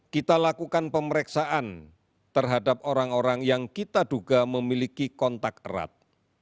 kita lakukan pemeriksaan terhadap orang orang yang kita duga memiliki kontak erat